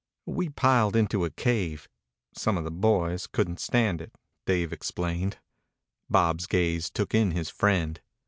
"We piled into a cave. Some of the boys couldn't stand it," Dave explained. Bob's gaze took in his friend.